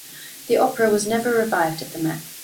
The opera was never revived at the Met.